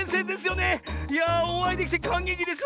いやあおあいできてかんげきです